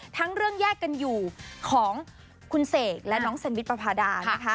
ทั้งเรื่องแยกกันอยู่ของคุณเสกและน้องเซ็นวิทย์ปราภาดา